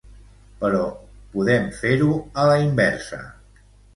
Però podem fer-ho a la inversa.